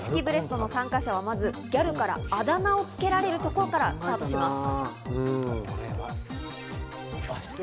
ギャル式ブレストの参加者はまずギャルからあだ名をつけられるところからスタートします。